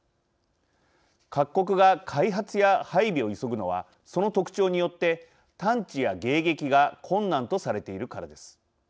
各国が開発や配備を急ぐのはその特徴によって、探知や迎撃が困難とされているからです。